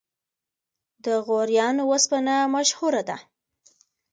د غوریان وسپنه مشهوره ده